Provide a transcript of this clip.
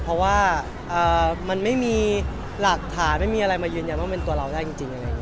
เพราะว่ามันไม่มีหลักฐานไม่มีอะไรมายืนยันว่าเป็นตัวเราได้จริง